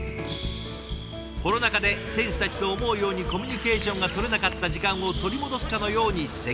コロナ禍で選手たちと思うようにコミュニケーションがとれなかった時間を取り戻すかのように積極的に。